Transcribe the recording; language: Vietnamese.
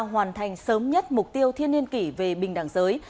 hoàn thành sớm nhất mục tiêu thiên niên kỷ về bình đẳng giới